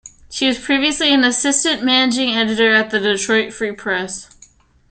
She was previously an assistant managing editor at the Detroit Free Press.